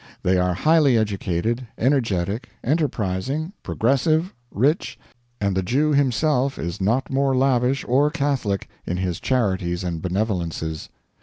They are highly educated, energetic, enterprising, progressive, rich, and the Jew himself is not more lavish or catholic in his charities and benevolences.